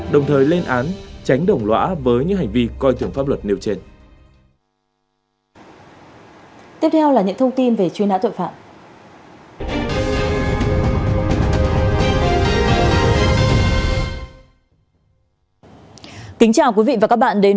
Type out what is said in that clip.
đồng thời lên án tránh đồng lõa với những hành vi coi thường pháp luật nêu trên